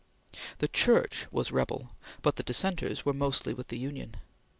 The Church was rebel, but the dissenters were mostly with the Union.